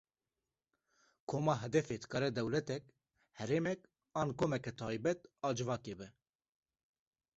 Koma hedefê dikare dewletek, herêmek an komeke taybet a civakê be.